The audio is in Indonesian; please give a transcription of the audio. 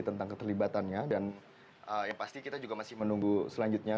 tentang keterlibatannya dan yang pasti kita juga masih menunggu selanjutnya